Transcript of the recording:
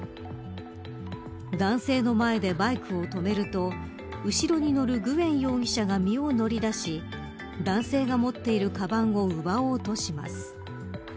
男性の前でバイクを止めると後ろに乗るグエン容疑者が身を乗り出し男性が持っているかばんを奪おうとします。